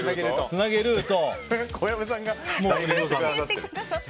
つなげルート！